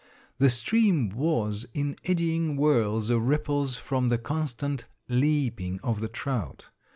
The stream was in eddying whirls of ripples from the constant 'leaping' of the trout.